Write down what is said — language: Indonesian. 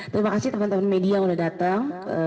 terima kasih teman teman media yang sudah datang